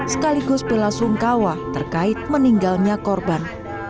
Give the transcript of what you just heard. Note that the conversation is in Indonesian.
sekaligus bela sungkawa terkait meninggalnya korban